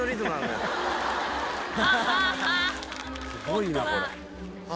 すごいなこれ。